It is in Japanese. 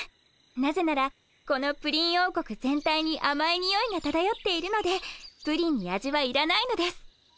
なぜならこのプリン王国全体にあまいにおいがただよっているのでプリンに味はいらないのです。